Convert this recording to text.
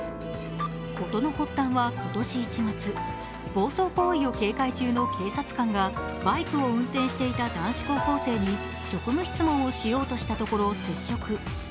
事の発端は今年１月、暴走行為を警戒中の警察官がバイクを運転していた男子高校生に職務質問をしようとしたところ接触。